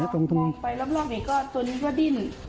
แล้วก็พอมองไปรอบนี่ก็ตัวนี้ก็ดิ้น